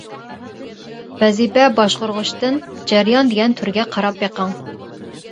ۋەزىپە باشقۇرغۇچتىن «جەريان» دېگەن تۈرگە قاراپ بېقىڭ.